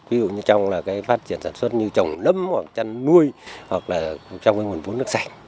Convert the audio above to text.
ví dụ như trong là cái phát triển sản xuất như trồng nấm hoặc chăn nuôi hoặc là trong cái nguồn vốn nước sạch